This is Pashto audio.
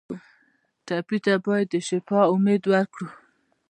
ټپي ته باید د شفا امید ورکړو.